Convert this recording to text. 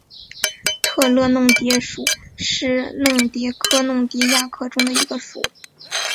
特乐弄蝶属是弄蝶科弄蝶亚科中的一个属。